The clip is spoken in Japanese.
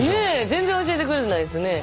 全然教えてくれないですね。